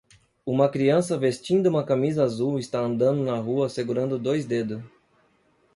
Uma criança vestindo uma camisa azul está andando na rua segurando dois dedos.